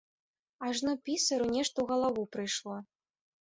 Ажно пісару нешта ў галаву прыйшло.